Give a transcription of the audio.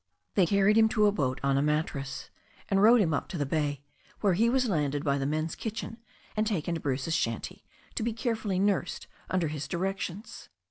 They carried him to a boat on a mattress, and rowed him up to the bay, where he was landed by the men's kitchen, and taken to Bruce's shanty, to be carefully nursed under his directions.